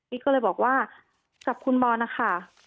ก็เลยบอกว่ากับคุณบอลนะคะ